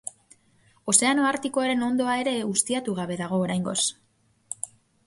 Ozeano Artikoaren hondoa ere ustiatu gabe dago oraingoz.